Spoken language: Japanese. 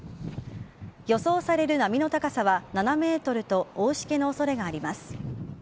予想される波の高さは７メートルと大しけの恐れがあります。